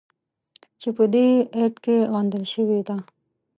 چې په دې ایت کې غندل شوې ده.